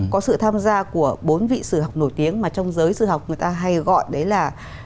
có sự tham gia của bốn vị sư học nổi tiếng mà trong giới sư học người ta hay gọi đấy là